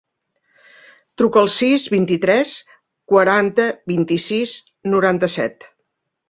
Truca al sis, vint-i-tres, quaranta, vint-i-sis, noranta-set.